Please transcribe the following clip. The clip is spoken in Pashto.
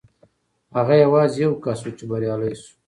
هغه یوازې یو کس و چې بریالی شو.